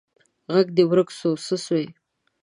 ږغ دي ورک سو څه سوي